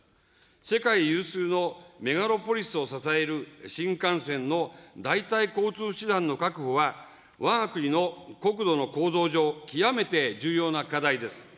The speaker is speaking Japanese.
世界有数のメガロポリスを支える新幹線の代替交通手段の確保は、わが国の国土の構造上、極めて重要な課題です。